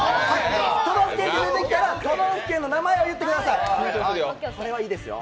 都道府県と出てきたら都道府県の名前を言ってください。